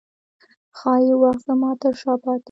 ښايي وخت زما ترشا پاته و